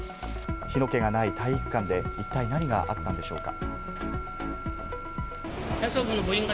火の気がない体育館で、一体何があったんでしょうか？